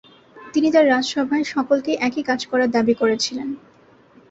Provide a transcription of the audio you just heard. তিনি তার রাজসভায় সকলকে একই কাজ করার দাবী করেছিলেন।